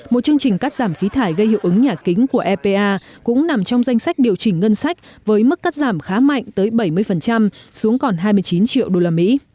một chương trình cắt giảm khí thải gây hiệu ứng nhà kính của epa cũng nằm trong danh sách điều chỉnh ngân sách với mức cắt giảm khá mạnh tới bảy mươi xuống còn hai mươi chín triệu usd